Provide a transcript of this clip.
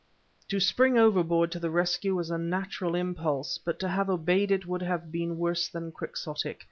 To spring overboard to the rescue was a natural impulse, but to have obeyed it would have been worse than quixotic.